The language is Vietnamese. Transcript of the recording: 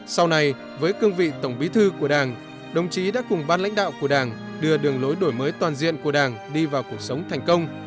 sau này với cương vị tổng bí thư của đảng đồng chí đã cùng ban lãnh đạo của đảng đưa đường lối đổi mới toàn diện của đảng đi vào cuộc sống thành công